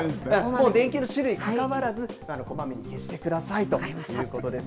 もう電球の種類にかかわらず、こまめに消してくださいということです。